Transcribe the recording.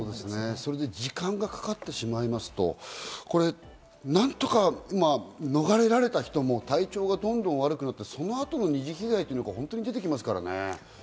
それに時間がかかってしまいますと、何とか逃れられた人も体調がどんどん悪くなって、そのあとの二次被害が出てきますからね。